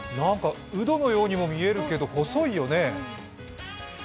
ウドのようにも見えるけど細いよね。